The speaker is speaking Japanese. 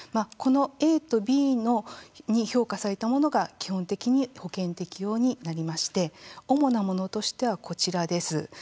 このＡとＢに評価されたものが基本的に保険適用になりまして主なものとしては、こちらです。